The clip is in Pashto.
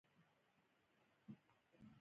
قلم له بیعدالتۍ سر ټکوي